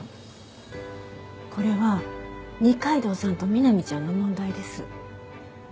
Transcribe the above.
これは二階堂さんとみなみちゃんの問題です。